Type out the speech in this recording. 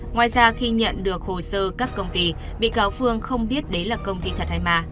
ngoài ra khi nhận được hồ sơ các công ty bị cáo phương không biết đấy là công ty thật hay ma